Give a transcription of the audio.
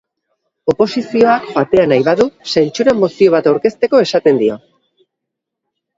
Oposizioak joatea nahi badu, zentsura mozio bat aurkezteko esaten dio.